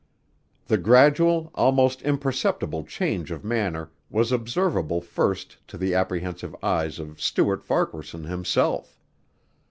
The gradual, almost imperceptible change of manner was observable first to the apprehensive eyes of Stuart Farquaharson himself.